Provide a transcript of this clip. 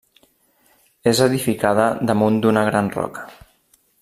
És edificada damunt d'una gran roca.